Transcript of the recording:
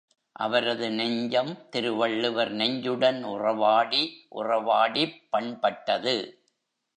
அவரது நெஞ்சம் திருவள்ளுவர் நெஞ்சுடன் உறவாடி உறவாடிப் பண்பட்டது.